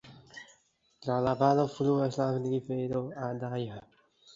Tra la valo fluas la rivero Adaja.